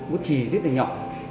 bút chì rất là nhỏ